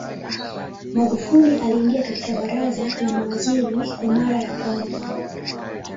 Magufuli aliingia katika Baraza la Mawaziri kwa mara ya kwanza